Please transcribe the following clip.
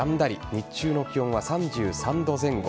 日中の気温は３３度前後。